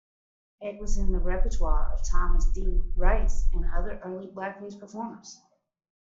It was in the repertoire of Thomas D. Rice and other early blackface performers.